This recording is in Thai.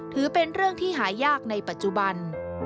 ถือเป็นเรื่องที่หายากในปัจจุบัน